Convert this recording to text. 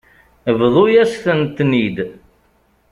Bḍu-yasent-ten-id.